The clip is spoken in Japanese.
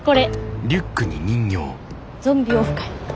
ゾンビオフ会。